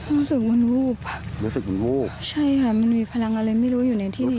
รู้สึกมันวูบค่ะรู้สึกมันวูบใช่ค่ะมันมีพลังอะไรไม่รู้อยู่ในที่นี้